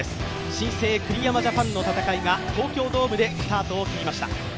新生栗山ジャパンの戦いが東京ドームでスタートを切りました。